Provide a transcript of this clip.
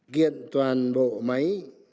kiện toàn bộ máy